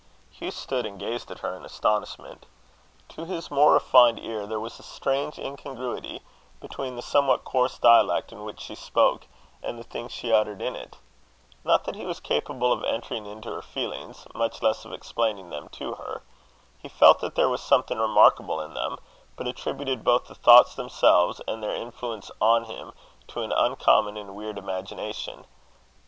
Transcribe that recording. Hugh stood and gazed at her in astonishment. To his more refined ear, there was a strange incongruity between the somewhat coarse dialect in which she spoke, and the things she uttered in it. Not that he was capable of entering into her feelings, much less of explaining them to her. He felt that there was something remarkable in them, but attributed both the thoughts themselves and their influence on him, to an uncommon and weird imagination.